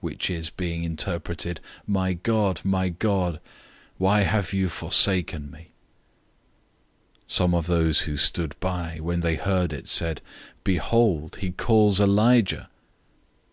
which is, being interpreted, "My God, my God, why have you forsaken me?"{Psalm 22:1} 015:035 Some of those who stood by, when they heard it, said, "Behold, he is calling Elijah."